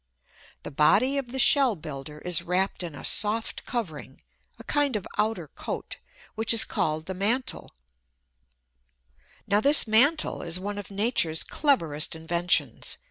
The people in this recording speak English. The body of the shell builder is wrapped in a soft covering, a kind of outer coat, which is called the mantle. Now this mantle is one of Nature's cleverest inventions.